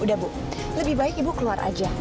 udah bu lebih baik ibu keluar aja